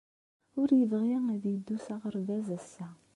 Ur yebɣi ad yeddu s aɣerbaz ass-a.